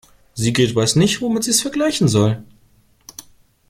Sigrid weiß nicht, womit sie es vergleichen soll.